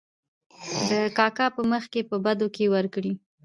د کاکا په مخکې په بدو کې ور کړې .